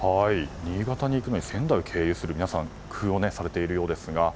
新潟に行くのに仙台経由すると皆さん工夫をされているようですが。